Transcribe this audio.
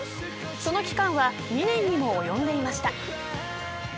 その期間は２年にも及んでいました。